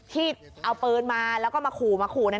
ที่เอาปืนมาแล้วก็มาขู่มาขู่เนี่ย